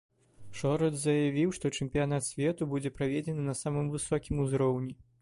Шорац заявіў, што чэмпіянат свету будзе праведзены на самым высокім узроўні.